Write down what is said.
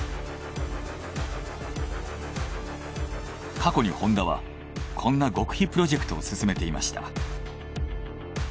過去にホンダはこんな極秘プロジェクトを進めていました。